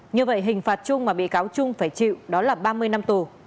như vậy hình phạt chung mà bị cáo trung phải chịu đó là ba mươi năm tù